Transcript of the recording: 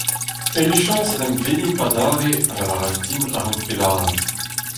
Emichañs en em welimp adarre, a lavaras din a-raok pellaat.